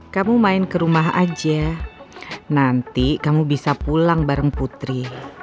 kamu main ke rumah aja nanti kamu bisa pulang bareng putri